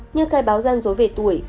như khai báo gian dối về tuổi